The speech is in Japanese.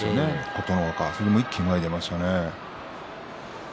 琴ノ若が一気に前に出ましたね。